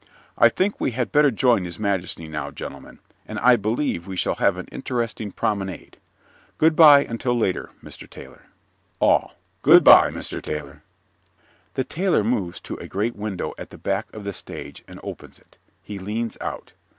_) I think we had better join his majesty now, gentlemen, and I believe we shall have an interesting promenade. Good by until later, Mr. Tailor. ALL Good by, Mr. Tailor! (_The Tailor moves to a great window at the back of the stage and opens it. He leans out.